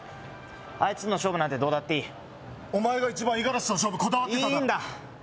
あいつとの勝負なんてどうだっていいお前が一番イガラシとの勝負こだわってただろいいんだ